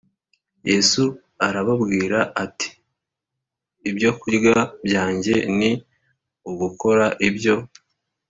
Yesu arababwira ati ibyokurya byanjye ni ugukora ibyo